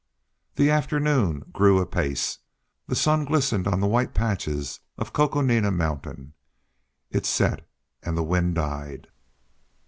The afternoon grew apace; the sun glistened on the white patches of Coconina Mountain; it set; and the wind died.